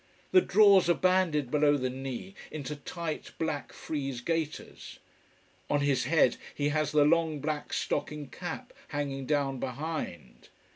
The drawers are banded below the knee into tight black frieze gaiters. On his head he has the long black stocking cap, hanging down behind.